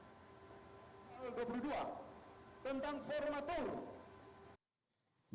memang banyak yang menyebutkan nama pak s b kita lihat dulu statement pak s b yang disampaikan tadi malam